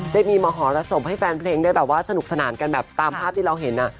ได้มีมหรสบให้แฟนเพลงได้แบบว่าสนุกสนานกันแบบตามภาพที่เราเห็น